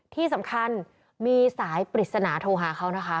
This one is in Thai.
ที่สำคัญมีสายปริศนาโทรหาเขานะคะ